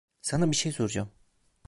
Sana bir şey soracağım.